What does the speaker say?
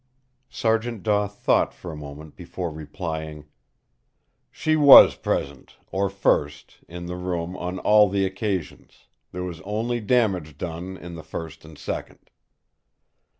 Sergeant Daw thought for a moment before replying: "She was present, or first, in the room on all the occasions; there was only damage done in the first and second!"